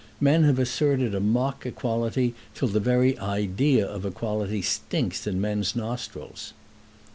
Men have asserted a mock equality till the very idea of equality stinks in men's nostrils."